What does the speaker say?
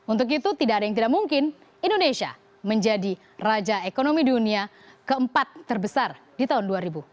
untuk itu tidak ada yang tidak mungkin indonesia menjadi raja ekonomi dunia keempat terbesar di tahun dua ribu